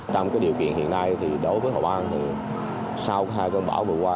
trong điều kiện hiện nay thì đối với hồ an thì sau hai con bão vừa qua